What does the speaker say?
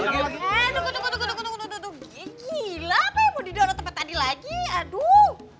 aduh gila apa yang mau didorong tempat tadi lagi aduh